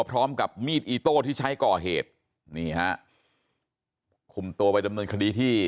พร้อมกับมีดอิโต้ที่ใช้ก่อเหตุนี่ฮะคุมตัวไปดำเนินคดีที่